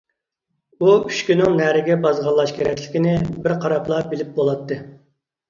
ئۇ ئۈشكىنىڭ نەرىگە بازغانلاش كېرەكلىكىنى بىر قاراپلا بىلىپ بولاتتى.